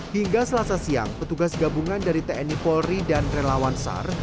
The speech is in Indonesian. hingga selasa siang petugas gabungan dari tni polri dan relawan sar